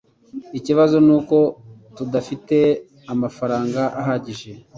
Ikibazo nuko tudafite amafaranga ahagije